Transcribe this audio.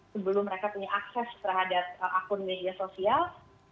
sebelum mereka punya akses terhadap akun media sosial